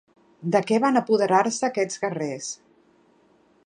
De què van apoderar-se aquests guerrers?